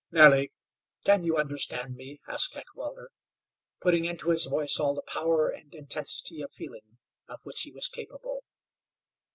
"Nellie, can you understand me?" asked Heckewelder, putting into his voice all the power and intensity of feeling of which he was capable.